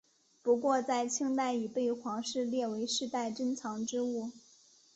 不过在清代已被皇室列为世代珍藏之物。